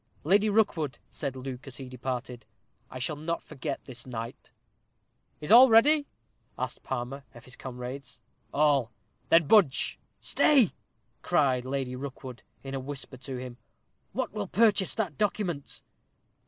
"Lady Rookwood," said Luke, as he departed, "I shall not forget this night." "Is all ready?" asked Palmer of his comrades. "All." "Then budge." "Stay!" cried Lady Rookwood, in a whisper to him. "What will purchase that document?"